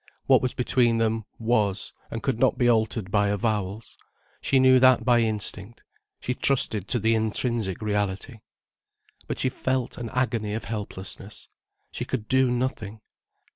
What was between them, was, and could not be altered by avowals. She knew that by instinct, she trusted to the intrinsic reality. But she felt an agony of helplessness. She could do nothing.